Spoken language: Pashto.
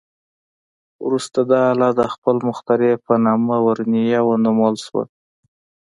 وروسته دا آله د خپل مخترع په نامه ورنیه ونومول شوه.